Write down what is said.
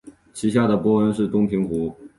其下的波纹是东平湖。